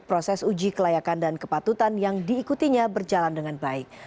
proses uji kelayakan dan kepatutan yang diikutinya berjalan dengan baik